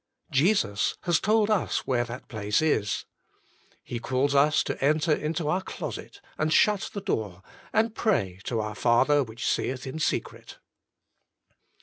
Jesjis. has .told us where that place is. He calls us to enter into our closet, and shut the door, and pray to our Father which seeth in secret.